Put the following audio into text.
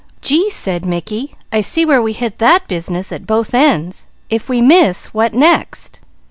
"Gee!" said Mickey. "I see where we hit that business at both ends. If we miss, what next?"